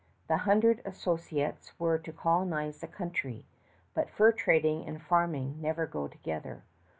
The Hundred Associates were to colonize the country; but fur trading and farming never go together.